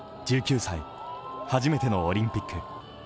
１９歳、初めてのオリンピック。